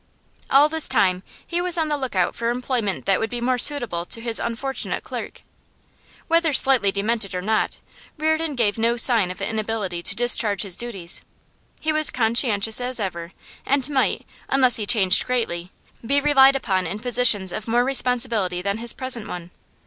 All this time he was on the look out for employment that would be more suitable to his unfortunate clerk. Whether slightly demented or not, Reardon gave no sign of inability to discharge his duties; he was conscientious as ever, and might, unless he changed greatly, be relied upon in positions of more responsibility than his present one.